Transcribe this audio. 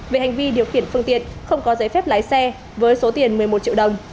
về hành vi điều khiển phương tiện không có giấy phép lái xe với số tiền một mươi một triệu đồng